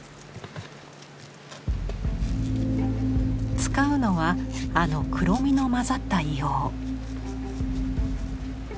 使うのはあの黒みの混ざった硫黄。